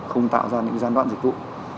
không tạo ra những gian đoạn dịch vụ